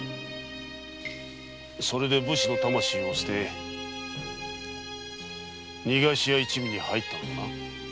それで武士の魂を捨て「逃がし屋」一味に入ったのだな。